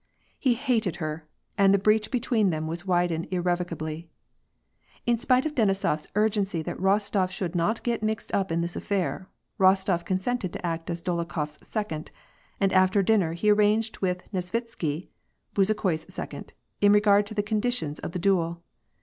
He hated her, and the breach between them was widened irrevo cably. In spite of Denisof s urgency that Rostof should not get mixed up in this affair, Rostof consented to act as Dolokhof's second, and after dinner he arranged with Nesvitsky, Bezu khoi's second, in regard to the conditions of the duel.